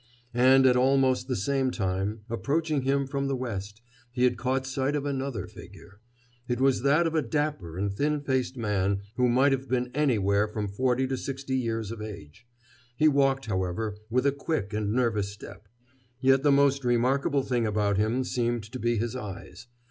And at almost the same time, approaching him from the west, he had caught sight of another figure. It was that of a dapper and thin faced man who might have been anywhere from forty to sixty years of age. He walked, however, with a quick and nervous step. Yet the most remarkable thing about him seemed to be his eyes.